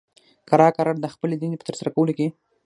کرار کرار د خپلې دندې په ترسره کولو کې